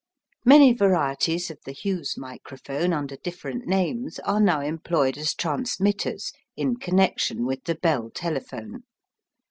Many varieties of the Hughes microphone under different names are now employed as transmitters in connection with the Bell telephone.